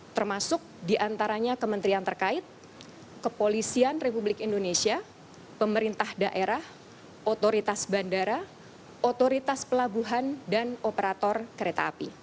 termasuk diantaranya kementerian terkait kepolisian republik indonesia pemerintah daerah otoritas bandara otoritas pelabuhan dan operator kereta api